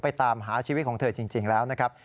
ตามหาชีวิตของเธอจริงแล้วนะครับ